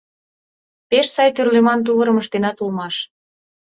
Пеш сай тӱрлеман тувырым ыштенат улмаш.